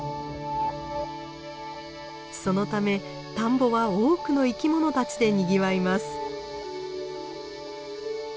そのため田んぼは多くの生き物たちでにぎわいます。